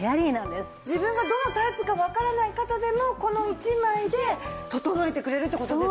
自分がどのタイプかわからない方でもこの一枚で整えてくれるって事ですもんね。